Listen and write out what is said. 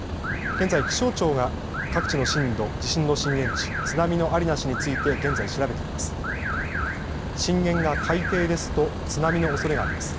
現在、気象庁が各地の震度、地震の震源地、津波のありなしについて現在、調べています。